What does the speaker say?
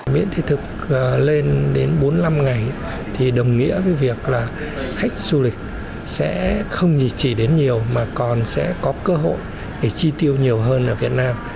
miễn thị thực lên đến bốn mươi năm ngày thì đồng nghĩa với việc là khách du lịch sẽ không chỉ đến nhiều mà còn sẽ có cơ hội để chi tiêu nhiều hơn ở việt nam